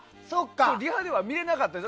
リハでは見れなかったんです。